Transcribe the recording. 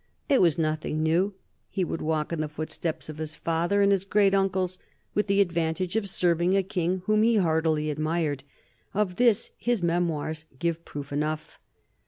It was nothing new : he would walk in the footsteps of his father and his great uncles, with the advantage of serving a King whom he heartily admired ; of this his Memoirs give proof enough.